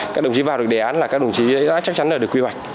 các đồng chí vào được đề án là các đồng chí đã chắc chắn là được quy hoạch